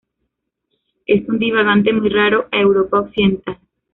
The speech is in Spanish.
Es un divagante muy raro a Europa occidental.